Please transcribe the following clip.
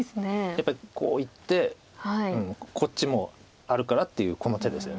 やっぱりこういってこっちもあるからっていうこの手ですよね。